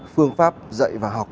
phương pháp dạy và học